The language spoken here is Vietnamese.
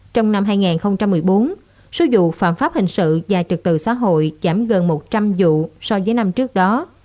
trong năm hai nghìn một mươi bốn số vụ phạm pháp hình sự và trực tự xã hội giảm gần một trăm linh vụ so với năm trước đó